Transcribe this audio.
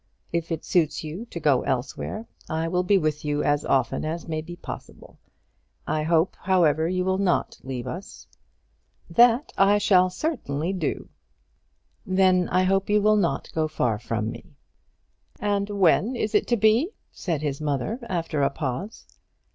If it suits you to go elsewhere, I will be with you as often as may be possible. I hope, however, you will not leave us." "That I shall certainly do." "Then I hope you will not go far from me." "And when is it to be?" said his mother, after a pause.